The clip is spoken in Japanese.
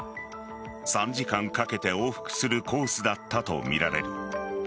３時間かけて往復するコースだったとみられる。